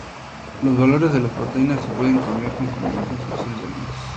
Los valores de las proteínas se pueden cambiar con combinaciones especiales de alimentos.